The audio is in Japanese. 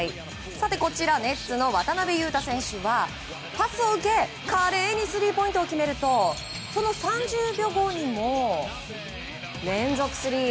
こちらネッツの渡邊雄太選手は、パスを受け華麗にスリーポイントを決めるとその３０秒後にも連続スリー！